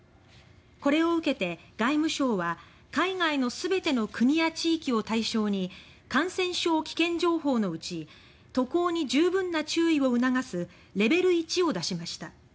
これを受け、外務省は海外のすべての国や地域を対象に「感染症危険情報」のうち渡航に十分な注意を促す「レベル１」を出しました。